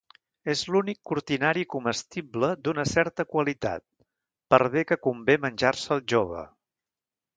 És l'únic cortinari comestible d'una certa qualitat, per bé que convé menjar-se'l jove.